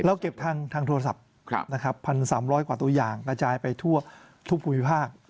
เก็บทางโทรศัพท์๑๓๐๐กว่าตัวอย่างกระจายไปทั่วทุกภูมิภาค